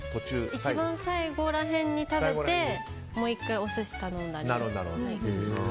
一番最後ら辺に食べてもう１回お寿司を頼んだり。